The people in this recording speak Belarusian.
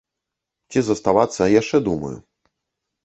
Ці заставацца, яшчэ думаю.